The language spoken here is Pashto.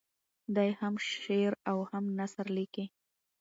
دی هم شعر او هم نثر لیکي.